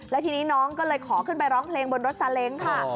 แล้วทีนี้น้องก็เลยขอขึ้นไปร้องเพลงบนรถซาเล้งค่ะ